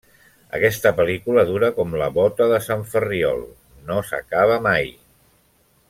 Aquesta pel·lícula dura com la bóta de Sant Ferriol. No s'acaba mai!